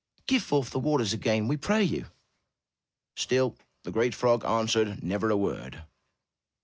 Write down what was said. Give forth the waters again, we pray you.'' Still the great frog answered never a word.